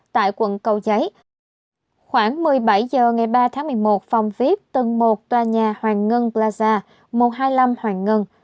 tại quận cầu giấy khoảng một mươi bảy h ngày ba tháng một mươi một phòng vip tầng một tòa nhà hoàng ngân plaza một trăm hai mươi năm hoàng ngân